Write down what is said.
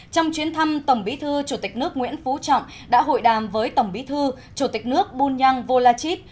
trong chuyến thăm tổng bí thư chủ tịch nước nguyễn phú trọng đã hội đàm với tổng bí thư chủ tịch nước bùn nhang vô la chít